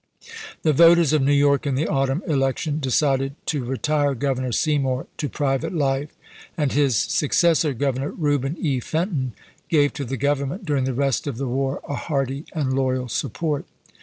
The voters of New York in the autumn election decided to retire Governor Seymour to private life, and his successor, Governor Eeuben E. Fenton, gave to the Government, during the rest of the war, a hearty and loyal support.